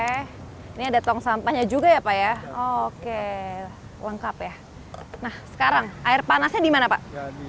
hai oke ini ada tong sampahnya juga ya pak ya oke lengkap ya nah sekarang air panasnya di mana pak